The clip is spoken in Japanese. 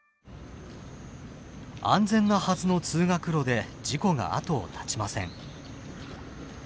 安全なはずの「通学路」で事故が後を絶ちません。